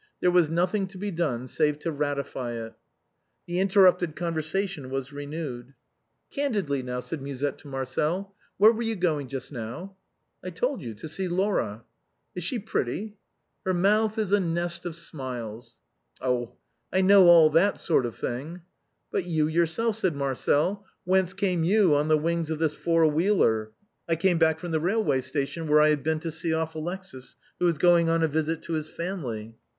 There was nothing to be done save to ratify it. The interrupted conversation was renewed. " Candidly, now," said Musette to Marcel, " where were you going just now ?"" I told you, to see Laura." "Is she pretty?" " Her mouth is a nest of smiles." " Oh ! I know all that sort of thing." " But you yourself," said Marcel ;" whence came you on the wings of this four wheeler ?"" I came back from the railway station, where I had been to see off Alexis, who is going on a visit to his family."